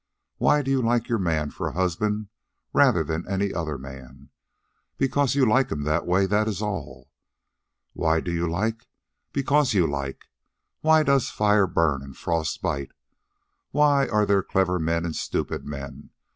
Why do you like your man for a husband rather than any other man? Because you like him that way, that is all. Why do you like? Because you like. Why does fire burn and frost bite? Why are there clever men and stupid men?